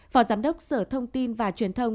phó giám đốc sở thông tin và chủ tịch